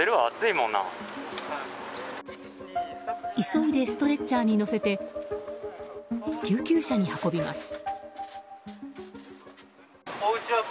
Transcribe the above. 急いでストレッチャーに乗せて救急車に運びます。